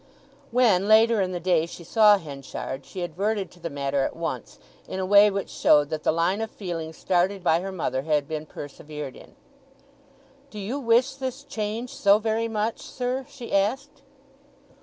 When, later in the day, she saw Henchard, she adverted to the matter at once, in a way which showed that the line of feeling started by her mother had been persevered in. "Do you wish this change so very much, sir?" she asked.